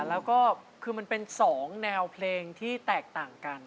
แล้วก็คือมันเป็น๒แนวเพลงที่แตกต่างกัน